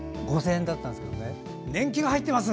５０００円だったんですけどね。